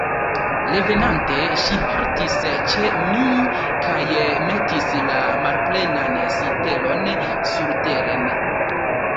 Revenante, ŝi haltis ĉe mi kaj metis la malplenan sitelon surteren.